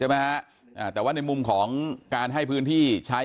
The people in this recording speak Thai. ฮะอ่าแต่ว่าในมุมของการให้พื้นที่ใช้